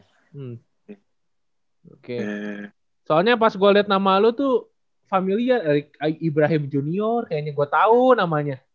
hmm oke soalnya pas gua liat nama lu tuh familiar ibrahim junior kayaknya gua tau namanya